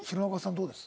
どうです？